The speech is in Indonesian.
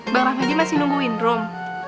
bang rahmadi masih nungguin rom